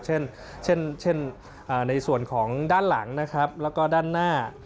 เช่นเช่นในส่วนของด้านหลังนะครับแล้วก็ด้านหน้า